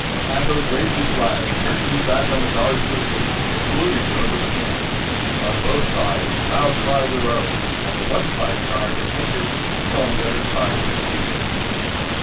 Athos waved his flag, turning his back on the guards of the city, and saluting those of the camp. On both sides loud cries arose—on the one side cries of anger, on the other cries of enthusiasm.